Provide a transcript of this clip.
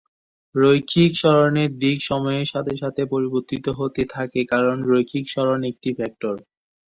রৈখিক সরণের দিক সময়ের সাথে সাথে পরিবর্তিত হতে থাকে কারণ রৈখিক সরণ একটি ভেক্টর।